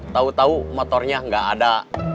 tahu tahu motornya nggak ada